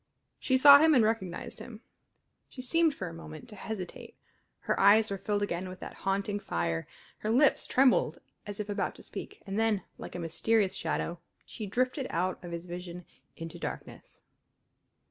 She saw him and recognized him; she seemed for a moment to hesitate; her eyes were filled again with that haunting fire; her lips trembled as if about to speak; and then, like a mysterious shadow, she drifted out of his vision into darkness.